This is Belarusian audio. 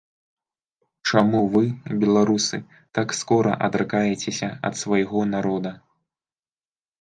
Чаму вы, беларусы, так скора адракаецеся ад свайго народа?